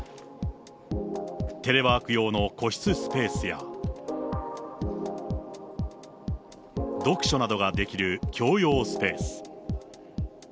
テレワーク用の個室スペースや、読書などができる共用スペース。